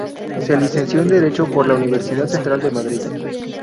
Se licenció en Derecho por la Universidad Central de Madrid.